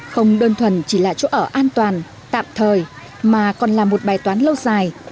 không đơn thuần chỉ là chỗ ở an toàn tạm thời mà còn là một bài toán lâu dài